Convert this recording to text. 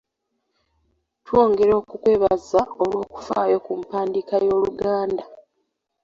Twongera okukwebaza olw'okufaayo ku mpandiika y'Oluganda.